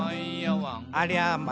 「ありゃま！